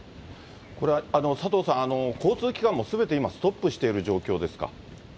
これは佐藤さん、交通機関もすべて今、ストップしている状況